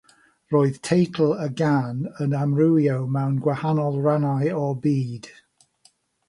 Roedd teitl y gân yn amrywio mewn gwahanol rannau o'r byd.